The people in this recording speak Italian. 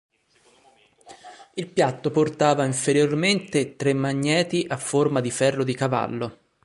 Il piatto portava inferiormente tre magneti a forma di ferro di cavallo.